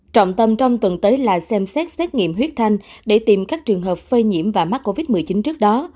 trọng tâm trong tuần tới là xem xét xét nghiệm huyết thanh để tìm các trường hợp phơi nhiễm và mắc covid một mươi chín trước đó